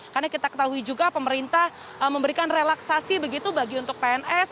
karena kita ketahui juga pemerintah memberikan relaksasi begitu bagi untuk pns